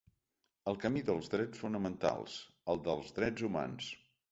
El camí dels drets fonamentals, el dels drets humans.